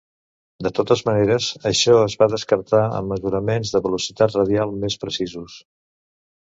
De totes maneres, això es va descartar amb mesuraments de velocitat radial més precisos.